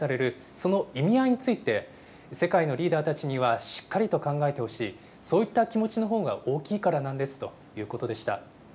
その意味合いについて、世界のリーダーたちにはしっかりと考えてほしい、そういった気持ちのほうが大きいからなんですということでした。